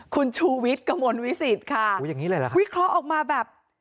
คุณชูวิทย์กระมวลวิสิตค่ะวิเคราะห์ออกมาแบบ